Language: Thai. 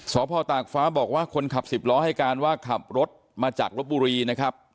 สพตากฟ้าบอกว่าคนขับสิบล้อให้การว่าขับรถมาจากลบบุรีนะครับ